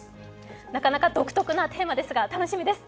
なかなか独特なテーマですが、楽しみです。